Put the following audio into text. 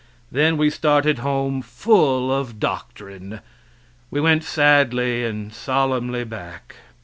Then we started home full of doctrine we went sadly and sole solemnly back.